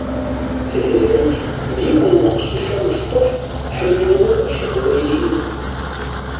Tehriruc d yiwen weqcic amectuḥ ḥemlen warrac iqbayliyen.